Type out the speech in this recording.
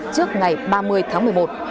trước ngày ba mươi tháng một mươi một